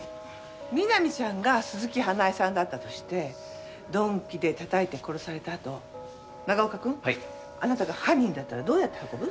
南ちゃんが鈴木花絵さんだったとして鈍器で叩いて殺されたあと永岡くんあなたが犯人だったらどうやって運ぶ？